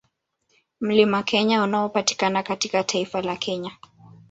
Mlima Kenya unaopatikana katika taifa la Kenya